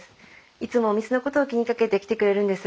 いつもお店のことを気にかけて来てくれるんです。